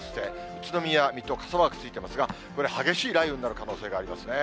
宇都宮、水戸、傘マークついてますが、これ、激しい雷雨になる可能性がありますね。